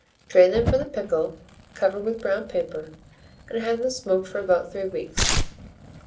Drain them from the pickle, cover with brown paper, and have them smoked for about 3 weeks.